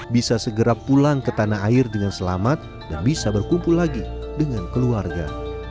bisa segera pulang ke tanah air dengan selamat dan bisa berkumpul lagi dengan keluarga